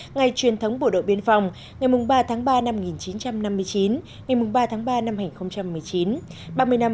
ngày truyền thống bộ đội biên phòng ngày ba tháng ba năm một nghìn chín trăm năm mươi chín ngày ba tháng ba năm hai nghìn một mươi chín